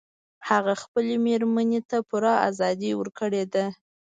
هغه خپلې میرمن ته پوره ازادي ورکړي ده